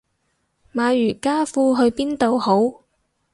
買瑜伽褲去邊度好